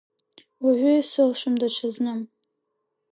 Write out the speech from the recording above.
Уажәы исылшом даҽазны…